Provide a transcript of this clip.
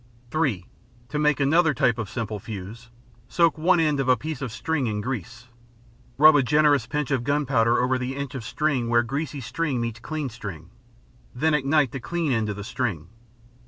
(3) To make another type of simple fuse, soak one end of a piece of string in grease. Rub a generous pinch of gunpowder over the inch of string where greasy string meets clean string. Then ignite the clean end of the string.